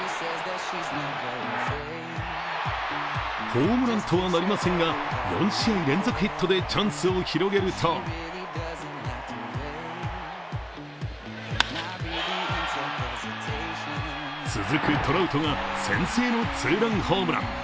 ホームランとはなりませんが、４試合連続ヒットでチャンスを広げると続くトラウトが先制のツーランホームラン。